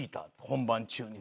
本番中に。